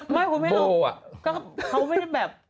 ไม่คุณไม่รู้คือเขาไม่ได้แบบ